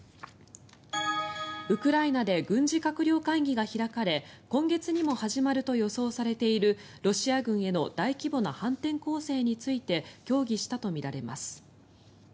ウクライナで軍事閣僚会議が開かれ今月にも始まると予想されているロシア軍への大規模な反転攻勢について協議したとみられます。